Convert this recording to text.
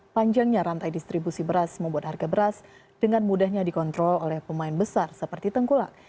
panjangnya rantai distribusi beras membuat harga beras dengan mudahnya dikontrol oleh pemain besar seperti tengkulak